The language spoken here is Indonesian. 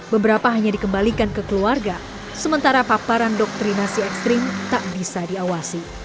beberapa hanya dikembalikan ke keluarga sementara paparan doktrinasi ekstrim tak bisa diawasi